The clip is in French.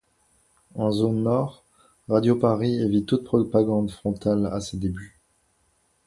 En zone nord, Radio-Paris évite toute propagande frontale à ses débuts.